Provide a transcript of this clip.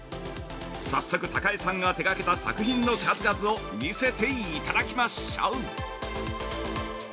早速、高江さんが手がけた作品の数々を見せていただきましょう。